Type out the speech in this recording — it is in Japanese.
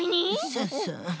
そうそう。